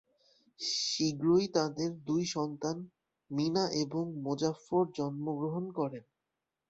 শীঘ্রই তাদের দুই সন্তান মিনা এবং মোজাফফর জন্মগ্রহণ করেন।